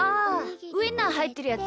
ウインナーはいってるやつ。